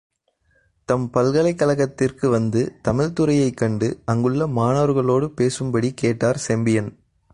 தம் பல்கலைக் கழகத்திற்கு வந்து, தமிழ் துறையைக் கண்டு, அங்குள்ள மாணவர்களோடு பேசும்படி கேட்டார் செம்பியன்.